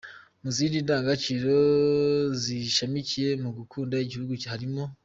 Mu zindi ndangagaciro zishamikiye mu Gukunda igihugu harimo.